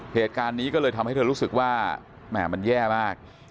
เหตุการณ์นี้ก็เลยทำให้เธอรู้สึกว่าแหม่มันแย่มาก